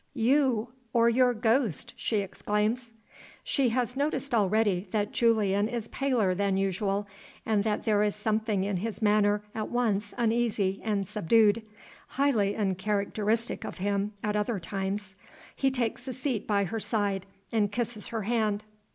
"You or your ghost?" she exclaims. She has noticed already that Julian is paler than usual, and that there is something in his manner at once uneasy and subdued highly uncharacteristic of him at other times. He takes a seat by her side, and kisses her hand.